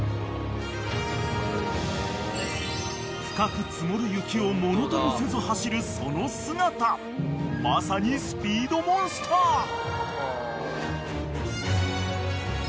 ［深く積もる雪をものともせず走るその姿まさにスピードモンスター］